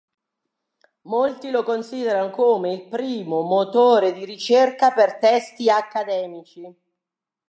Molti lo considerano come il primo motore di ricerca per testi accademici.